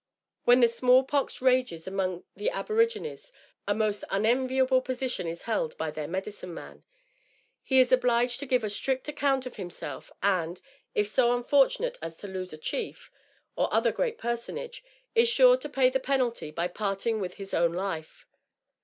When the small pox rages among the Aborigines, a most unenviable position is held by their "Medicine Man." He is obliged to give a strict account of himself; and, if so unfortunate as to lose a chief, or other great personage, is sure to pay the penalty by parting with his own life.